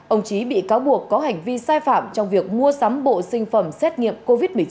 ông trí bị cáo buộc có hành vi sai phạm trong việc mua sắm bộ sinh phẩm xét nghiệm covid một mươi chín